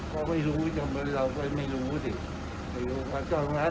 คือไม่ว่าจะเกิดอะไรเกิดขึ้นเนี่ยท่านอุตรมาฆ์ก็หยังคงเป็นหมดนะคะ